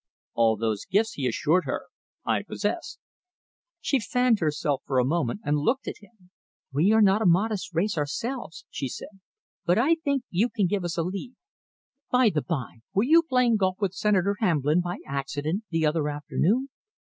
"All those gifts," he assured her, "I possess." She fanned herself for a moment and looked at him. "We are not a modest race ourselves," she said, "but I think you can give us a lead. By the bye, were you playing golf with Senator Hamblin by accident the other afternoon?"